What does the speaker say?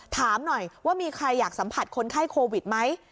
ถามหน่อยว่ามีใครอยากสัมผัสคนไข้โควิดไหม